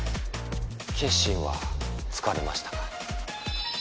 決心はつかれましたか？